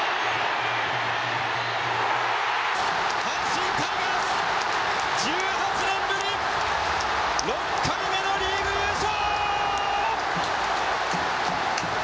阪神タイガース１８年ぶり６回目のリーグ優勝！